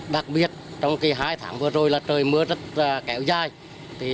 đặc biệt trong hai tháng vừa rồi là trời mưa rất kéo dài